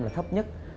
là thấp nhất